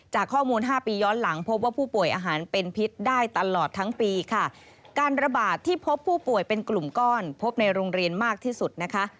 ข้อมูลห้าปีย้อนหลังพบว่าผู้ป่วยอาหารเป็นพิษได้ตลอดทั้งปีค่ะการระบาดที่พบผู้ป่วยเป็นกลุ่มก้อนพบในโรงเรียนมากที่สุดนะคะ